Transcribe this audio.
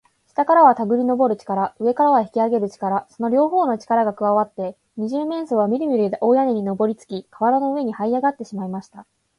下からはたぐりのぼる力、上からは引きあげる力、その両ほうの力がくわわって、二十面相はみるみる大屋根にのぼりつき、かわらの上にはいあがってしまいました。